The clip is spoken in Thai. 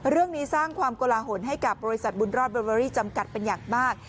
เรื่องนี้สร้างความกลาหลให้กับบริษัทบุญรอดเวอรี่จำกัดเป็นอย่างมาก